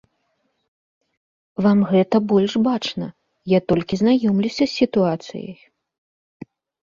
Вам гэта больш бачна, я толькі знаёмлюся з сітуацыяй.